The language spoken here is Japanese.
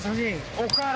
おから？